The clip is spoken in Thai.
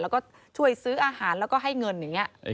แล้วก็ช่วยซื้ออาหารแล้วก็ให้เงินอย่างนี้